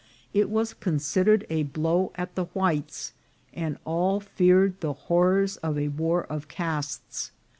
It was considered a blow at the whites, and all feared the horrors of a war of castes.